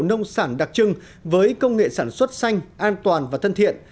nông sản đặc trưng với công nghệ sản xuất xanh an toàn và thân thiện